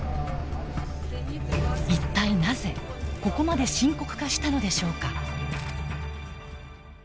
一体なぜここまで深刻化したのでしょうか。